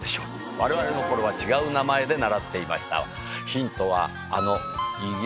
われわれの頃は違う名前で習っていました。